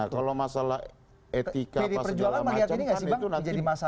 kalau masalah etika apa segala macam kan itu nanti